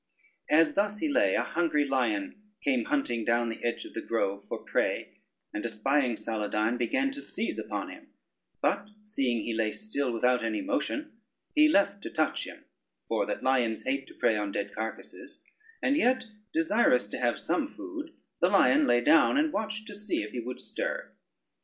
As thus he lay, a hungry lion came hunting down the edge of the grove for prey, and espying Saladyne began to seize upon him: but seeing he lay still without any motion, he left to touch him, for that lions hate to prey on dead carcases; and yet desirous to have some food, the lion lay down and watched to see if he would stir.